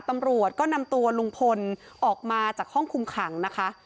ตำรวจก็นำตัวลุงพลออกมาจากห้องคุมขังนะคะ